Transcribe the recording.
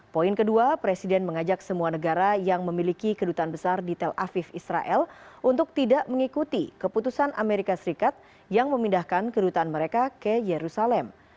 poin kedua presiden mengajak semua negara yang memiliki kedutaan besar di tel aviv israel untuk tidak mengikuti keputusan amerika serikat yang memindahkan kedutaan mereka ke yerusalem